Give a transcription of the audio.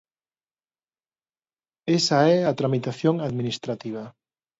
Esa é a tramitación administrativa.